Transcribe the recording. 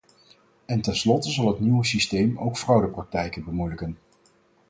En ten slotte zal het nieuwe systeem ook fraudepraktijken bemoeilijken.